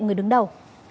người đứng đầu